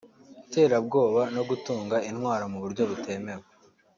iterabwoba no gutunga intwaro mu buryo butemewe